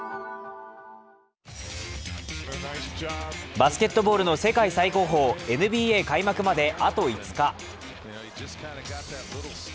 バスケットボールの世界最高峰、ＮＢＡ開幕まであと５日。